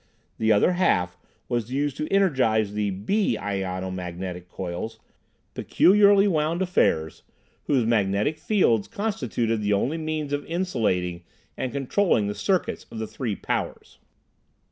The other half was used to energize the "B" ionomagnetic coils, peculiarly wound affairs, whose magnetic fields constituted the only means of insulating and controlling the circuits of the three "powers."